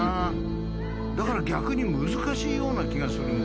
だから逆に難しいような気がするんだけど。